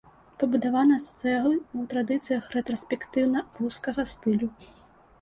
Пабудавана з цэглы ў традыцыях рэтраспектыўна-рускага стылю.